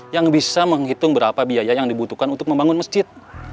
yang bisa menghitung berapa biaya yang dibutuhkan untuk membangun masjid